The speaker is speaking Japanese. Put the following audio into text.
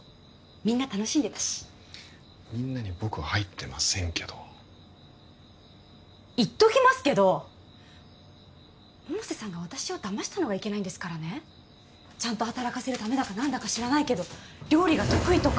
みんな楽しんでたし「みんな」に僕は入ってませんけど言っときますけど百瀬さんが私をだましたのがいけないんですからねちゃんと働かせるためだか何だか知らないけど料理が得意とか